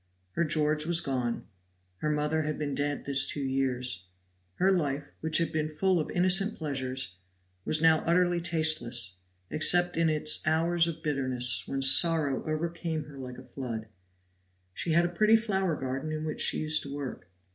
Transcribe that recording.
Her George was gone, her mother had been dead this two years. Her life, which had been full of innocent pleasures, was now utterly tasteless, except in its hours of bitterness when sorrow overcame her like a flood. She had a pretty flower garden in which she used to work.